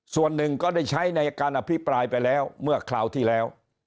ส่วนหนึ่งก็ได้ใช้ในการอภิปรายไปแล้วเมื่อคราวที่แล้ว